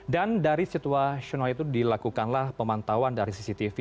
dan dari situasional itu dilakukanlah pemantauan dari cctv